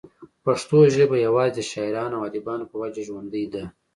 پښتو ژبه يوازې دَشاعرانو او اديبانو پۀ وجه ژوندۍ ده